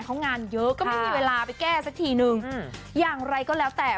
เขางานเยอะก็ไม่มีเวลาไปแก้สักทีนึงอย่างไรก็แล้วแต่